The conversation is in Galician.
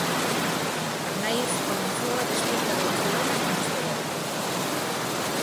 Arnaiz comezou a desfeita do Barcelona con este gol.